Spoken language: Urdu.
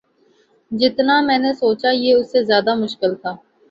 جتنا میں نے سوچا یہ اس سے زیادہ مشکل تھا